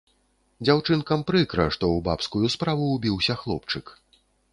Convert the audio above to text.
Дзяўчынкам прыкра, што ў бабскую справу ўбіўся хлопчык.